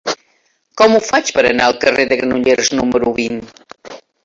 Com ho faig per anar al carrer de Granollers número vint?